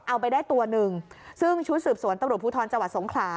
เอาไปได้ตัวนึงซึ่งชุดสืบสวนตบรุษภูทรจวัตรสงขลา